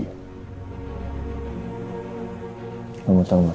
iya aku beli audi